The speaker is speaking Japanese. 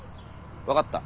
分かった。